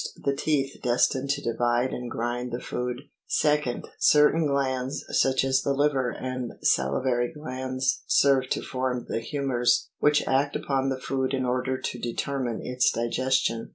The teeth destined to divide and grind the food. 2nd. Certain glands, such as the liver and salivary glands, serve to form the humors, which act upon the food in order to determine its digestion.